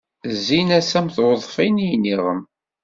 Zzin-as am tweḍfin i iniɣem.